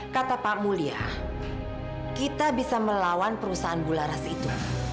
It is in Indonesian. kata pak mulia kita bisa melawan perusahaan bularas itu